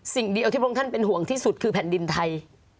สิ่งเดียวที่พระองค์ท่านเป็นห่วงที่สุดคือแผ่นดินไทย